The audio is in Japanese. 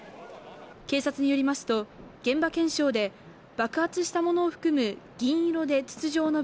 警察によりますと現場検証で爆発したものを含む銀色で筒状のもの